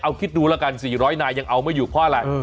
เอาคิดดูแล้วกัน๔๐๐นายยังเอาไม่อยู่เพราะอะไร